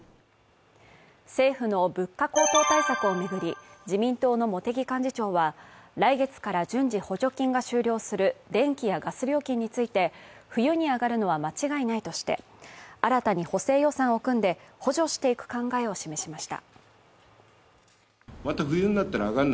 政府の物価高騰対策を巡り、自民党の茂木幹事長は来月から順次、補助金が終了する電気やガス料金について冬に上がるのは間違いないとして、新たに補正予算を組んで補助していく考えを示しました。